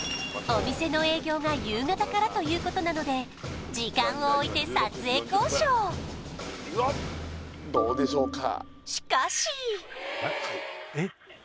お店の営業が夕方からということなので時間をおいて撮影交渉どうでしょうか？